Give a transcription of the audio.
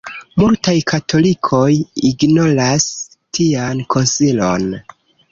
Multaj katolikoj ignoras tian konsilon.